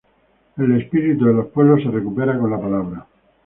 El espíritu de los pueblos se recupera con la palabra.